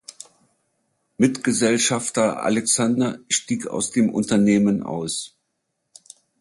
Mitgesellschafter Alexander stieg aus dem Unternehmen aus.